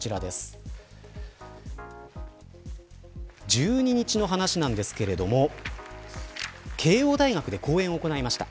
１２日の話なんですけれども慶応大学で講演を行いました。